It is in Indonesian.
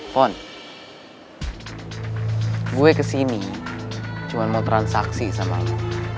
pon gue kesini cuma mau transaksi sama lo